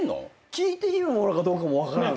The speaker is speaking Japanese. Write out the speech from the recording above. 聞いていいものかどうかも分からない。